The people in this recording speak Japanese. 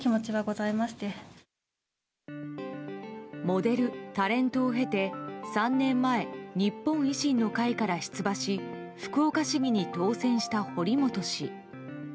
モデル、タレントを経て３年前日本維新の会から出馬し福岡市議に当選した堀本氏。